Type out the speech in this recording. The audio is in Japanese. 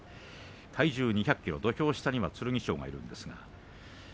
体重２００ｋｇ土俵下に剣翔です。